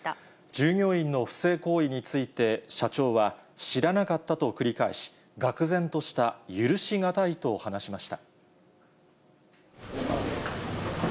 従業員の不正行為について、社長は、知らなかったと繰り返し、がく然とした、許し難いと話しました。